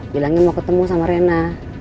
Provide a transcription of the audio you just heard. bilangnya mau ketemu sama rena